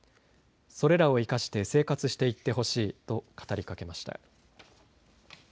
それらを生かして生活していってほしいと語りかけました。